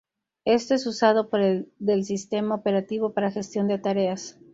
Esto es usado por el del sistema Operativo para gestión de tareas.